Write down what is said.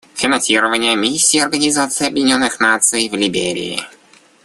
Финансирование Миссии Организации Объединенных Наций в Либерии.